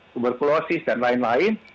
tuberkulosis dan lain lain